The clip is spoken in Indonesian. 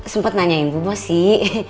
sempet nanyain bu bos sih